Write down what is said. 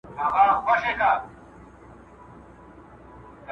زه اجازه لرم چي سينه سپين وکړم؟